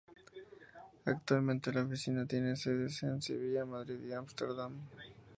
Actualmente la oficina tiene sedes en Sevilla, Madrid y Ámsterdam.